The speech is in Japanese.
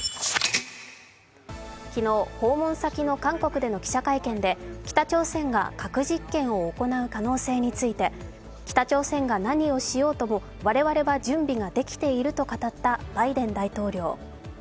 昨日、訪問先の韓国での記者会見で北朝鮮が核実験を行う可能性について北朝鮮が何をしようとも我々は準備ができていると語ったバイデン大統領。